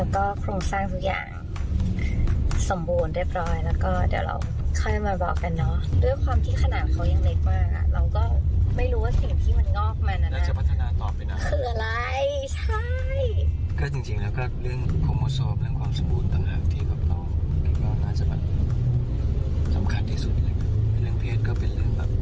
ก็น่าจะแบบสำคัญที่สุดเป็นเรื่องเพศก็เป็นเรื่องแบบ